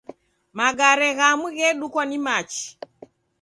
Magare ghamu ghedukwa ni machi.